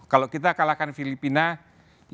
kalau kita kalahkan filipina ya kita hanya menang